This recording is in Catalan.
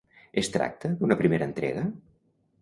Es tracta d'una primera entrega?